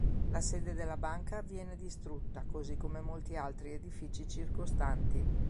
La sede della banca viene distrutta, così come molti altri edifici circostanti.